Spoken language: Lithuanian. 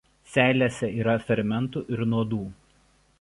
Seilėse yra fermentų ir nuodų.